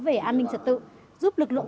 về an ninh trật tự giúp lực lượng